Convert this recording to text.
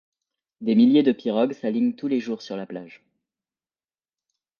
Des milliers de pirogues s'alignent tous les jours sur la plage.